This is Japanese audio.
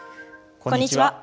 こんにちは。